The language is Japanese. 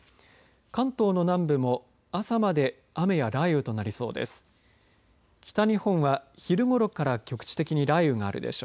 関東の南部も朝まで雨や雷雨となりそうです。